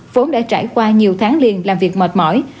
vốn đã trải qua nhiều tháng liền làm việc mệt mỏi